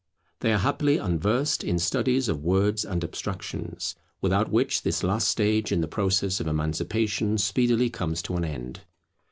They are happily unversed in studies of words and abstractions, without which this last stage in the process of emancipation speedily comes to an end.